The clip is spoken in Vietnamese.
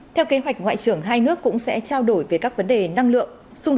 theo kế hoạch ngoại trưởng hai nước cũng sẽ trao đổi về các vấn đề năng lượng